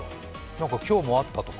今日も会ったとか？